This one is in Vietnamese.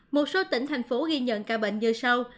một số tỉnh thành phố ghi nhận ca bệnh như sau